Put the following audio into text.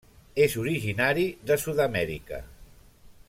És originari de Sud-amèrica.